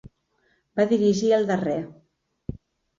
Va dirigir el darrer.